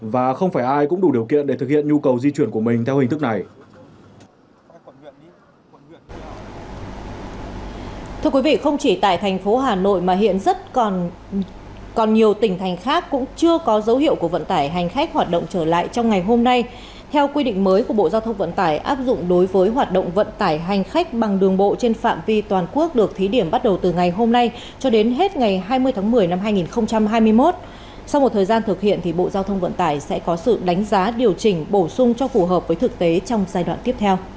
và không phải ai cũng đủ điều kiện để thực hiện nhu cầu di chuyển của mình theo hình thức này